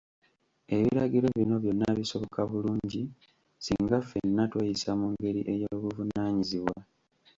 Ebiragiro bino byonna bisoboka bulungi singa ffenna tweyisa mungeri ey'obuvunaanyizbwa.